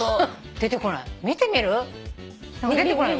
出てこない。